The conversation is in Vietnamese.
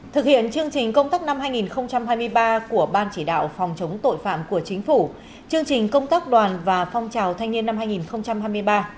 thực hiện chương trình công tác năm hai nghìn hai mươi ba của ban chỉ đạo phòng chống tội phạm của chính phủ chương trình công tác đoàn và phong trào thanh niên năm hai nghìn hai mươi ba